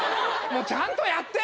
もうちゃんとやって！